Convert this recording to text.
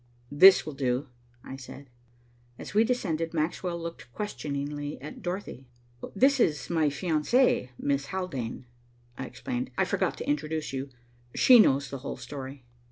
"This will do," I said. As we descended, Maxwell looked questioningly at Dorothy. "This is my fiancée, Miss Haldane," I explained. "I forgot to introduce you. She knows the whole story."